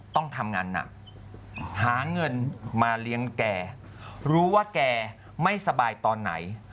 ต้องทำงานหนักหาเงินมาเลี้ยงแกรู้ว่าแกไม่สบายตอนไหน